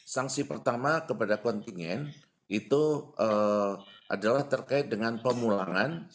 sanksi pertama kepada kontingen itu adalah terkait dengan pemulangan